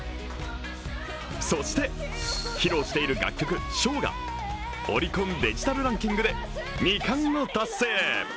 そして披露している楽曲「唱」がオリコンデジタルランキングで２冠を達成。